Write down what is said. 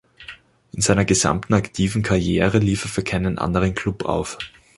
In seiner gesamten aktiven Karriere lief er für keinen anderen Club auf.